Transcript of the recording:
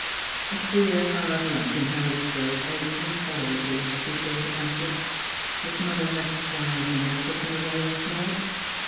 ... A queer hard lump in Harry's throat ached intolerably as he thought about it. ... His mother had cried when they took him away last night.